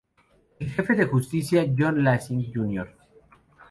El Jefe de Justicia John Lansing, Jr.